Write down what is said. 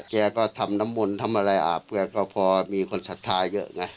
แกก็ทำน้ำมนทำอะไรอาบกันก็พอมีคนชัดทายเยอะไง